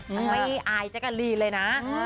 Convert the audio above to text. มันไม่อายเจ๊กกับรีเลยนะ